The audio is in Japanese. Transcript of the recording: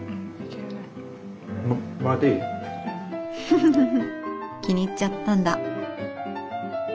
フフフ気に入っちゃったんだ。